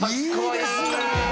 いいですね！